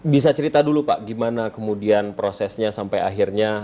bisa cerita dulu pak gimana kemudian prosesnya sampai akhirnya